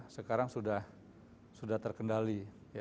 sekarang sudah terkendali